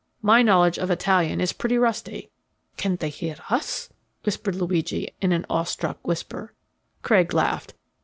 My knowledge of Italian is pretty rusty." "Can they hear us?" whispered Luigi in an awestruck whisper. Craig laughed.